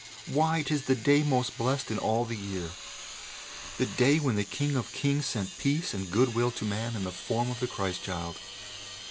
Why, 'tis the day most blessed in all the year the day when the King of Kings sent peace and goodwill to Man in the form of the Christ Child.